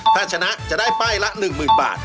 ถ้าชนะจะได้ป้ายละ๑๐๐๐บาท